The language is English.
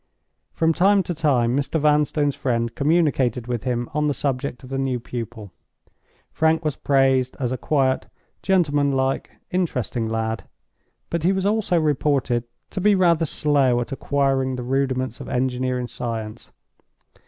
From time to time, Mr. Vanstone's friend communicated with him on the subject of the new pupil. Frank was praised, as a quiet, gentleman like, interesting lad—but he was also reported to be rather slow at acquiring the rudiments of engineering science.